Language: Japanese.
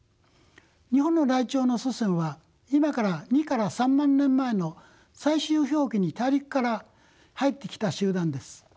日本のライチョウの祖先は今から２から３万年前の最終氷期に大陸から入ってきた集団です。